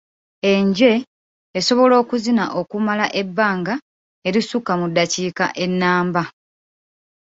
Enje esobola okuzina okumala ebbanga erisukka mu ddakiika ennamba.